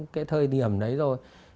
cái thời điểm đấy rồi